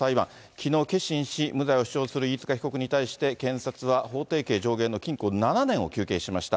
きのう結審し、無罪を主張する飯塚被告に対して、検察は法定刑上限の禁錮７年を求刑しました。